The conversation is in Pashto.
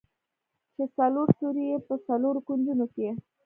چې څلور سوري يې په څلورو کونجونو کښې.